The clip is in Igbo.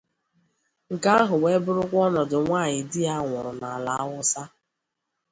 Nke ahụ wee bụrụkwa ọnọdụ nwaanyị di ya nwụrụ n'ala Hausa.